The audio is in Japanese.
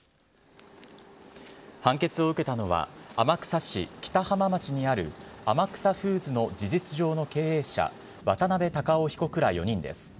判決を受けたのは、天草市北浜町にある天草フーズの事実上の経営者、渡邉孝男被告ら４人です。